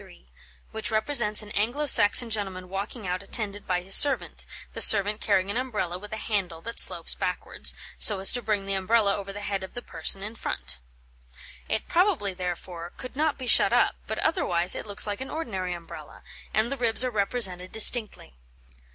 603, which represents an Anglo Saxon gentleman walking out attended by his servant, the servant carrying an Umbrella with a handle that slopes backwards, so as to bring the Umbrella over the head of the person in front. It probably, therefore, could not be shut up, but otherwise it looks like an ordinary Umbrella, and the ribs are represented distinctly.